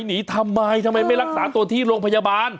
หนีทำไมทำไมไม่รักษาตัวที่โรงพยาบาล